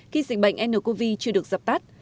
khi dịch bệnh ncov chưa được dập tắt